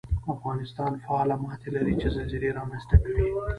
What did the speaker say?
افغانستان فعاله ماتې لري چې زلزلې رامنځته کوي